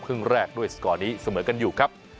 ครึ่งแรกด้วยสกอร์นี้เสมอกันอยู่ครับ